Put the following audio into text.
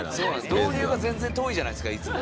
導入が全然遠いじゃないですかいつも。